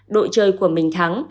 đội chơi của mình thắng